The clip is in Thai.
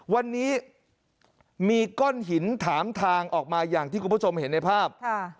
วันนี้มีก้อนหินถามทางออกมาอย่างที่คุณผู้ชมเห็นในภาพ